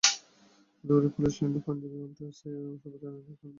তদুপরি পুলিশ লাইনের Punjabi armed SI সুবেদার এনায়েত খান বাঙালিদের পক্ষ নেন।